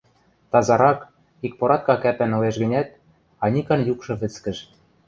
Тазарак, икпоратка кӓпӓн ылеш гӹнят, Аникан юкшы вӹцкӹж.